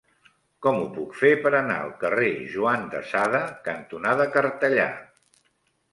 Com ho puc fer per anar al carrer Juan de Sada cantonada Cartellà?